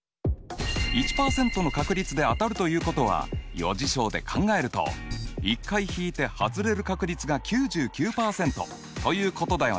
１％の確率で当たるということは余事象で考えると１回引いてはずれる確率が９９％ということだよね。